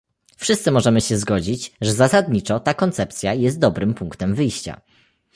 Wszyscy możemy się zgodzić, że zasadniczo ta koncepcja jest dobrym punktem wyjścia